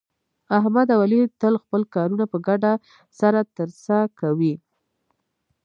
احمد او علي تل خپل کارونه په ګډه سره ترسه کوي.